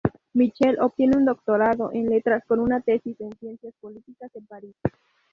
Michel obtiene un doctorado en letras con una tesis en ciencias políticas en París.